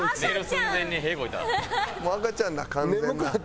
もう赤ちゃんな完全な。